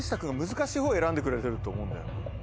難しいほう選んでくれてると思うんだよね